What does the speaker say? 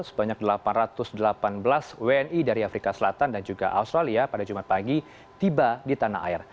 sebanyak delapan ratus delapan belas wni dari afrika selatan dan juga australia pada jumat pagi tiba di tanah air